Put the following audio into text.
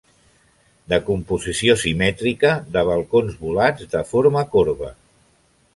De composició simètrica de balcons volats de forma corba.